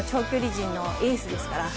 長距離陣のエースです。